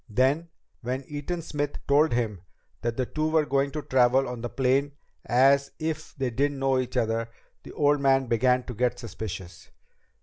Then, when Eaton Smith told him that the two were going to travel on the plane as if they didn't know each other, the old man began to get suspicious.